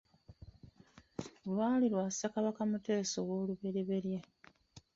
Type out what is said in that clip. Lwali lwa Ssekabaka Muteesa ow'oluberyeberye.